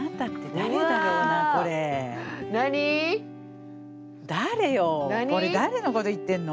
誰よこれ誰のこと言ってんの？